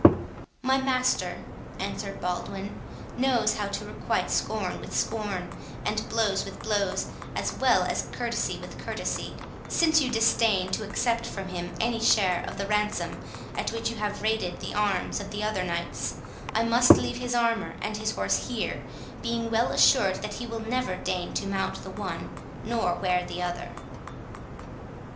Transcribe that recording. "My master," answered Baldwin, "knows how to requite scorn with scorn, and blows with blows, as well as courtesy with courtesy. Since you disdain to accept from him any share of the ransom at which you have rated the arms of the other knights, I must leave his armour and his horse here, being well assured that he will never deign to mount the one nor wear the other."